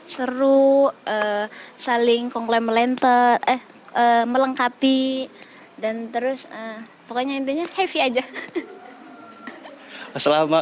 seru saling melengkapi dan terus pokoknya intinya heavy aja